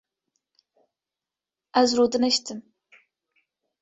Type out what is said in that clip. Ez rûdiniştim